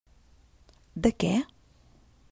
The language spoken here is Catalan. De què?